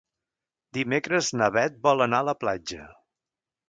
Dimecres na Beth vol anar a la platja.